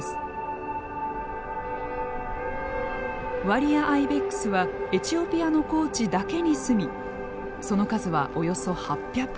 ワリアアイベックスはエチオピアの高地だけに住みその数はおよそ８００匹。